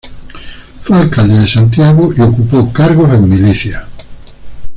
Fue alcalde de Santiago y ocupó cargos en milicias.